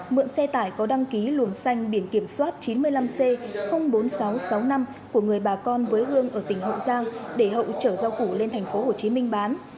mượn xe tải có đăng ký luồng xanh biển kiểm soát chín mươi năm c bốn nghìn sáu trăm sáu mươi năm của người bà con với hương ở tỉnh hậu giang để hậu trở giao củ lên thành phố hồ chí minh bán